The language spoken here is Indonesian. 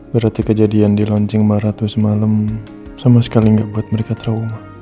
berarti kejadian di launching maratu semalam sama sekali gak buat mereka trauma